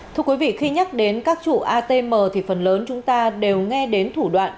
thưa quý vị khi nhắc đến các chủ atm thì phần lớn chúng ta đều nghe đến thủ đoạn